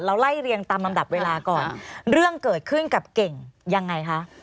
ไล่เรียงตามลำดับเวลาก่อนเรื่องเกิดขึ้นกับเก่งยังไงคะ